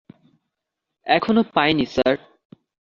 এখনো পাইনি, স্যার।